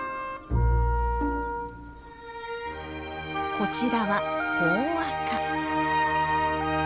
こちらはホオアカ。